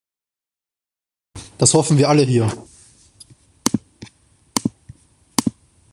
Das hoffen wir alle hier.